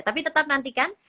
tapi tetap nantikan